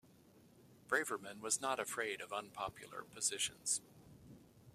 Braverman was not afraid of unpopular positions.